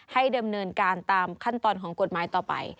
ดำเนินการตามขั้นตอนของกฎหมายต่อไป